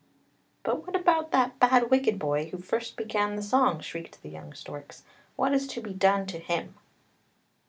" But what about that bad wicked boy who first began the song!" shrieked the young storks; "what is to be done to him?